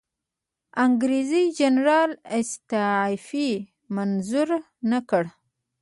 انګریزي جنرال استعفی منظوره نه کړه.